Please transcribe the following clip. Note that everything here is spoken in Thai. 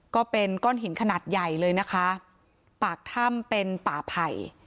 ก็เป็นก้อนหินขนาดใหญ่เลยนะคะปากถ้ำเป็นป่าไผ่